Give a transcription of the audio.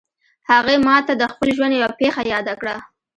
هغې ما ته د خپل ژوند یوه پېښه یاده کړه